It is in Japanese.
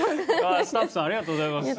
スタッフさんありがとうございます。